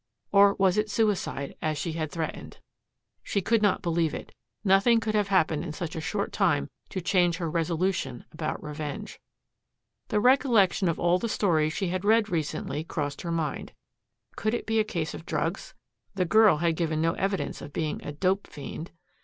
Or was it suicide, as she had threatened? She could not believe it. Nothing could have happened in such a short time to change her resolution about revenge. The recollection of all the stories she had read recently crossed her mind. Could it be a case of drugs? The girl had given no evidence of being a "dope" fiend.